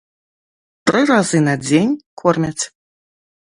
Тры разы на дзень кормяць.